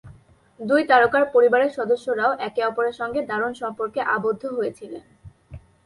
দুই তারকার পরিবারের সদস্যরাও একে অপরের সঙ্গে দারুণ সম্পর্কে আবদ্ধ হয়েছিলেন।